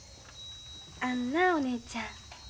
あのなお姉ちゃん。